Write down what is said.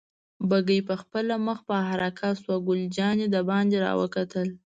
بګۍ پخپله مخ په حرکت شوه، ګل جانې دباندې را وکتل.